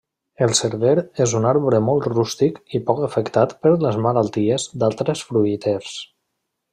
El server és un arbre molt rústic i poc afectat per les malalties d'altres fruiters.